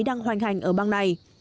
đang hoành hành ở bang này